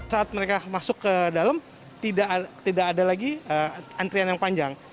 saat mereka masuk ke dalam tidak ada lagi antrian yang panjang